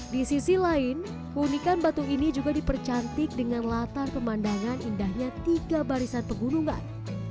di sisi lain keunikan batu ini juga dipercantik dengan latar pemandangan indahnya tiga barisan pegunungan